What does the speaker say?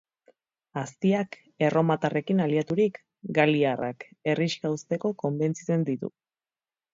Aztiak, erromatarrekin aliaturik, galiarrak, herrixka uzteko konbentzitzen ditu.